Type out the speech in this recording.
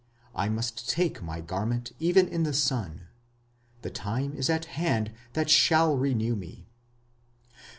I must take my garment even in the sun: The time is at hand that shall renew me.